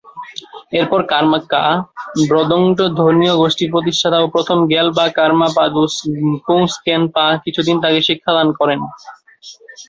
এরপর কার্মা-ব্কা'-ব্র্গ্যুদ ধর্মীয় গোষ্ঠীর প্রতিষ্ঠাতা ও প্রথম র্গ্যাল-বা-কার্মা-পা দুস-গ্সুম-ম্খ্যেন-পা কিছুদিন তাকে শিক্ষাদান করেন।